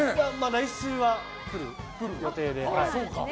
来週は来る予定で。